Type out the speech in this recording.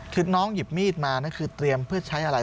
คือน้องหยิบมีดมานั่นคือเตรียมเพื่อใช้อะไร